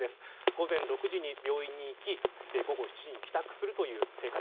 午前６時に病院に行き午後７時に帰宅するという生活。